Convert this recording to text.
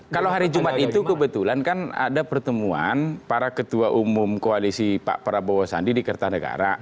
kalau hari jumat itu kebetulan kan ada pertemuan para ketua umum koalisi pak prabowo sandi di kertanegara